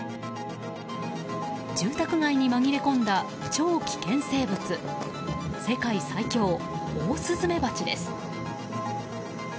住宅街にまぎれ込んだ超危険生物世界最凶オオスズメバチです。